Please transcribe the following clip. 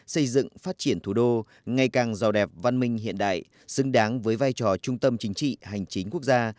xây dựng phát triển thủ đô ngày càng giàu đẹp văn minh hiện đại xứng đáng với vai trò trung tâm chính trị hành chính quốc gia